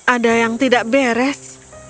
ada yang tidak beres